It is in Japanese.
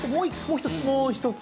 もう１つ。